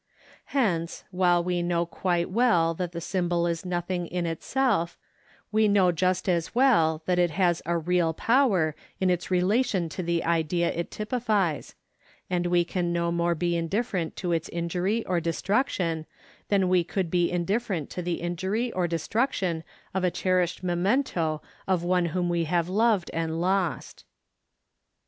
Hence, while we know quite well that the symbol is nothing in itself, we know just as well that it has a real power in its relation to the idea it typifies, and we can no more be indifferent to its injury or destruction than we could be indifferent to the injury or destruction of a cherished memento of one whom we have loved and lost.